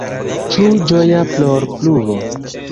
Ĉu ĝoja plorpluvo?